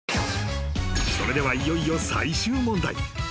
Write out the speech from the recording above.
［それではいよいよ最終問題］